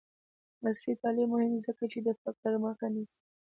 عصري تعلیم مهم دی ځکه چې د فقر مخه نیسي.